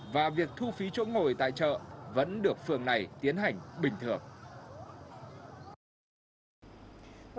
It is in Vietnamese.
và việc thu phí chỗ ngồi tại chợ vẫn được phường này tiến hành bình thường